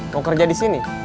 mau kerja disini